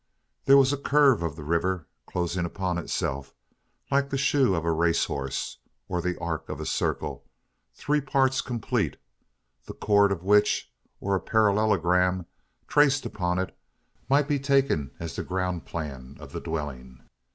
There was a curve of the river closing upon itself, like the shoe of a racehorse, or the arc of a circle, three parts complete; the chord of which, or a parallelogram traced upon it, might be taken as the ground plan of the dwelling.